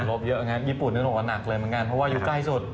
ลบเยอะนะครับญี่ปุ่นนึงออกมาหนักเลยเพราะว่ายุใกล้สุด